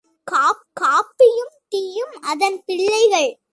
காபியும் டீயும் அதன் பிள்ளைகள்.